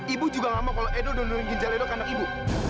ibu juga gak mau kalo edo dongerin ginjal edo karena ibu